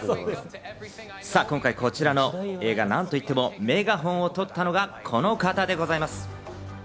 今回、こちらの映画、なんといってもメガホンを取ったのがこの方でございます。